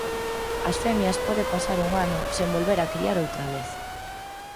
As femias pode pasar un ano sen volver a criar outra vez.